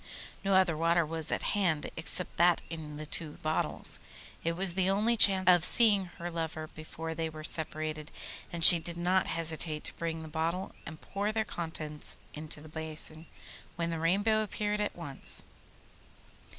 No other water was at hand except that in the two bottles. It was the only chance of seeing her lover before they were separated, and she did not hesitate to break the bottle and pour their contents into the basin, when the Rainbow appeared at once.